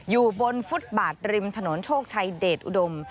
อยู่บนฟุตบาทริมถนนโชคชัยเดชอุดม